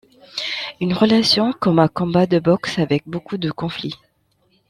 Une relation comme un combat de boxe avec beaucoup de conflits.